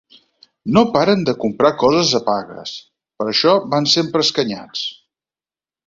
No paren de comprar coses a pagues; per això van sempre escanyats.